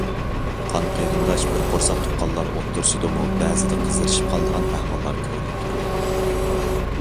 قان قېرىنداش بىر قورساق تۇغقانلار ئوتتۇرىسىدىمۇ بەزىدە قىزىرىشىپ قالىدىغان ئەھۋاللار كۆرۈلۈپ تۇرىدۇ.